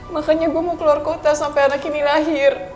makanya gue mau keluar kota sampai anak ini lahir